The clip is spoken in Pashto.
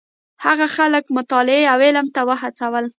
هغه خلک مطالعې او علم ته وهڅول.